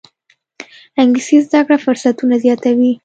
انګلیسي زده کړه فرصتونه زیاتوي